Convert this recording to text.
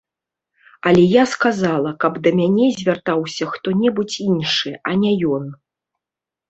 Але я сказала, каб да мяне звяртаўся хто-небудзь іншы, а не ён.